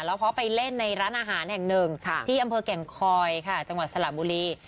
แล้วเขาไปเล่นในร้านอาหารแห่งหนึ่งที่อำเภอแก่งคอยค่ะจังหวัดสระบุรี